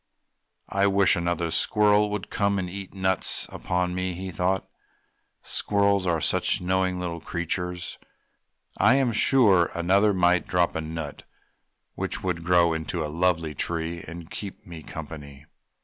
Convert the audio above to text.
"I wish another squirrel would come to eat nuts upon me!" he thought. "Squirrels are such knowing little creatures, I am sure another might drop a nut which would grow into a lovely tree to keep me company."